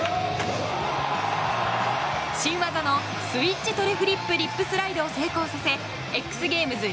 新技のスイッチトレフリップリップスライドを成功させＸゲームズ